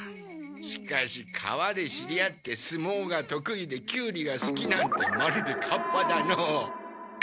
しかし川で知り合って相撲が得意でキュウリが好きなんてまるでカッパだのう。